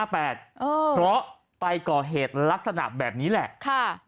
เพราะไปก่อเหตุลักษณะแบบนี้แหละ